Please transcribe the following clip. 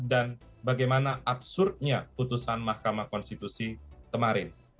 dan bagaimana absurdnya putusan mahkamah konstitusi kemarin